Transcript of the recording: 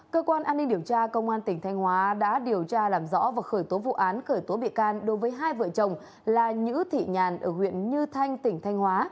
cơ quan an ninh điều tra công an tỉnh thanh hóa đã điều tra làm rõ và khởi tố vụ án khởi tố bị can đối với hai vợ chồng là nhữ thị nhàn ở huyện như thanh tỉnh thanh hóa